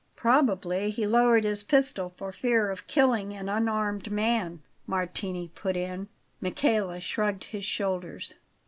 "Probably he lowered his pistol for fear of killing an unarmed man," Martini put in. Michele shrugged his shoulders.